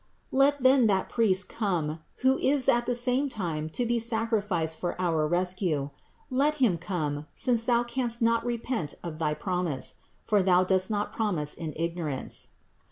Let then that Priest come, who is at the same time to be the sacrifice for our rescue; let Him come, since Thou canst not repent of thy promise ; for Thou dost not promise in ignorance.